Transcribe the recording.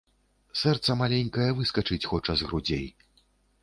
Сэрца маленькае выскачыць хоча з грудзей.